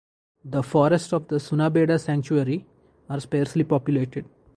The forests of the Sunabeda Sanctuary are sparsely populated.